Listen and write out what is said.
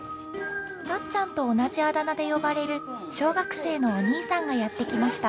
たっちゃんと同じあだ名で呼ばれる小学生のお兄さんがやって来ました。